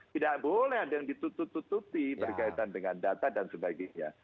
tidak boleh ada yang ditutup tutupi berkaitan dengan data dan sebagainya